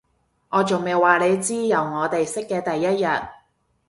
我仲未話你知，由我哋識嘅第一日